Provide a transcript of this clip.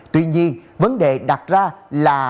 tuy nhiên vấn đề đặt ra là